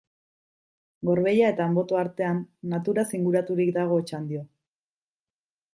Gorbeia eta Anboto artean, naturaz inguraturik dago Otxandio.